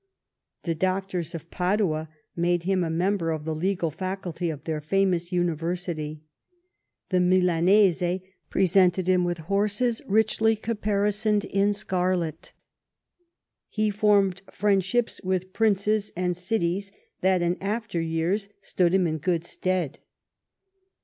The doctors of Padua made him a member of the legal faculty of their famous university. The IMilanese presented him with horses richly capari soned with scarlet. He formed friendships Avith princes and cities that in after years stood him in good stead.